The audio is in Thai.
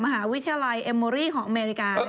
มหาวิทยาลัยเอ็มโมรี่ของอเมริกา